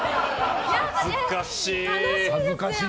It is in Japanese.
恥ずかしい。